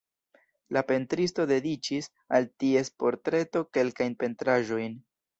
La pentristo dediĉis al ties portreto kelkajn pentraĵojn.